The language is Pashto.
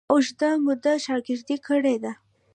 ما اوږده موده شاګردي کړې ده.